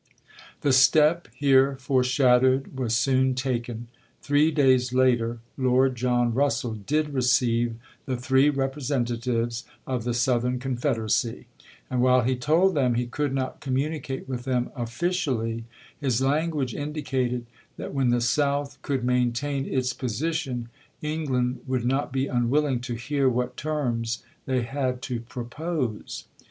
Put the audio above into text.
The step here foreshadowed was soon taken. Three days later Lord John Eussell did receive the three representatives of the Southern Confed eracy ; and while he told them he could not com municate with them "officially," his language indicated that when the South could maintain its position England would not be unwilling to hear what terms they had to propose.